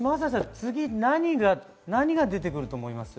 次、何が出る来ると思います？